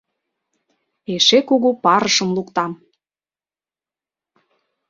Эше кугу парышым луктам.